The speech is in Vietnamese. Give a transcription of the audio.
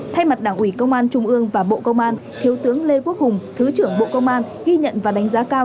thay mặt đảng ủy công an trung ương và bộ công an thiếu tướng lê quốc hùng thứ trưởng bộ công an ghi nhận và đánh giá cao